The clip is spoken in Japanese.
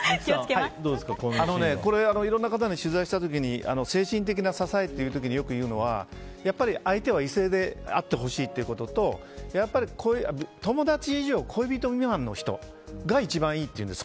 いろんな方に取材した時に精神的な支えという時によく言うのはやっぱり相手は異性であってほしいということと友達以上恋人未満の人が一番いいっていうんです。